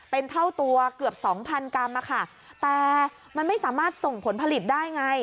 เป็นเท่าตัวเกือบ๒๐๐๐กรัมแต่มันไม่สามารถส่งผลผลิตได้ไง